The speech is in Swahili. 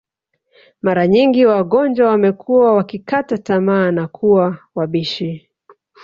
Mara nyingi wagonjwa wamekuwa wakikata tamaa na kuwa wabishi